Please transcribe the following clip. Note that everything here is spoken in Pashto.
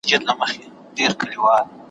هدیره مي د بابا ده پکښي جوړه ,